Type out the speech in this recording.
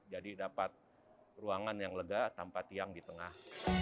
jadi dapat ruangan yang lega tanpa tiang di tengah